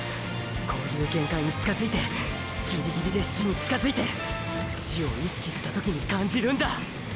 こういう限界に近づいてギリギリで“死”に近づいて“死”を意識した時に感じるんだ。